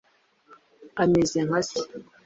Ameze nka se.